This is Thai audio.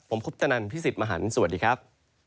ผมคุปตนันพี่สิทธิ์มหันฯสวัสดีครับ